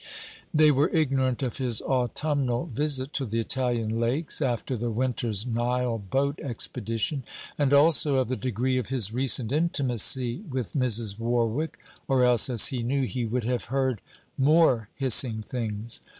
They were ignorant of his autumnal visit to the Italian Lakes, after the winter's Nile boat expedition; and also of the degree of his recent intimacy with Mrs. Warwick; or else, as he knew, he would have heard more hissing things.